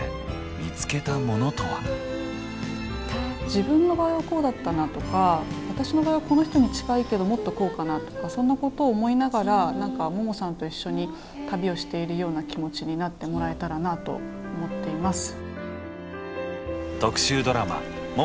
自分の場合はこうだったなとか私の場合はこの人に近いけどもっとこうかなとかそんなことを思いながら何かももさんと一緒に旅をしているような気持ちになってもらえたらなと思っています。